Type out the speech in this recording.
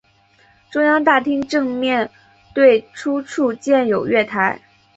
中央大厅正面对出处建有月台。